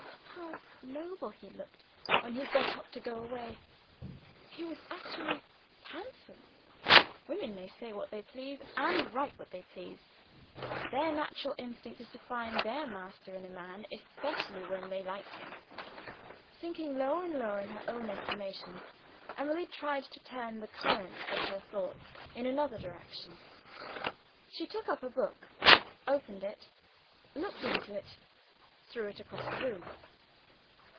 How noble he looked, when he got up to go away; he was actually handsome! Women may say what they please and write what they please: their natural instinct is to find their master in a man especially when they like him. Sinking lower and lower in her own estimation, Emily tried to turn the current of her thoughts in another direction. She took up a book opened it, looked into it, threw it across the room.